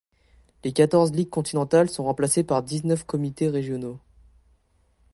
Les quatorze ligues continentales sont remplacées par dix-neuf comités régionaux.